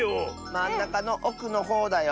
⁉まんなかのおくのほうだよ。